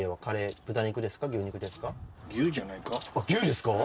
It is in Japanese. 牛ですか？